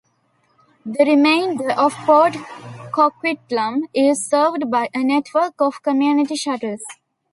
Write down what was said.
The remainder of Port Coquitlam is served by a network of Community Shuttles.